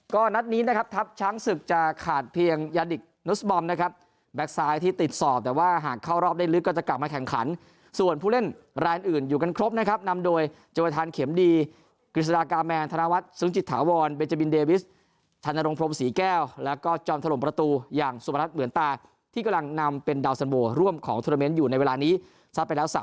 ก็นัดนี้นะครับทัพช้างศึกจะขาดเพียงยาดิกนุสบอมนะครับแบ็คไซด์ที่ติดสอบแต่ว่าหากเข้ารอบได้ลึกก็จะกลับมาแข่งขันส่วนผู้เล่นลายอื่นอยู่กันครบนะครับนำโดยเจ้าวัฒนาเข็มดีกฤษฎากาแมนธนวัฒน์ซึ้งจิตถาวรเบจาบินเดวิสชะนโรงพรมศรีแก้วแล้วก็จอมถล่มประตูอย่างสุปรัส